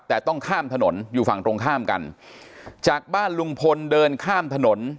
แต่ต้องข้ามถนนอยู่ฝั่งตรงข้ามกันจากบ้านลุงพลเดินข้ามถนน